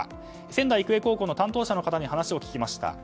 仙台育英高校の担当者の方に話を聞きました。